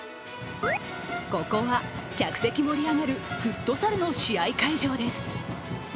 ここは客席盛り上がるフットサルの試合会場です。